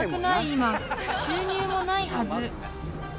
今収入もないはず］